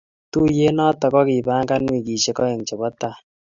Tuyet nato kokikipangana wikishek aeng chebotai.